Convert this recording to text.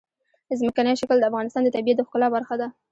ځمکنی شکل د افغانستان د طبیعت د ښکلا برخه ده.